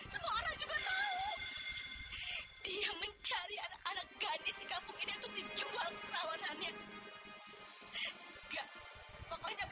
semua orang juga tahu dia mencari anak anak gadis di kampung ini untuk dijual kerawanannya